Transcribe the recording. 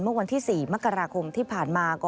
เมื่อวันที่๔มกราคมที่ผ่านมา